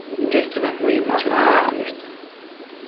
Yo estaba muy emocionada con esto".